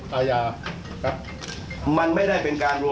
ปฏิตามภาพบังชั่วมังตอนของเหตุการณ์ที่เกิดขึ้นในวันนี้พร้อมกันครับ